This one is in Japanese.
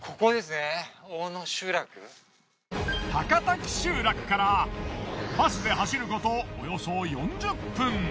高滝集落からバスで走ることおよそ４０分。